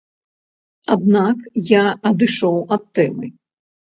Аднак я адышоў ад тэмы.